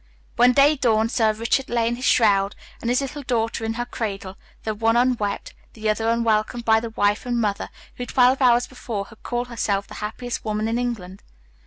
When day dawned Sir Richard lay in his shroud and his little daughter in her cradle, the one unwept, the other unwelcomed by the wife and mother, who, twelve hours before, had called herself the happiest woman in England.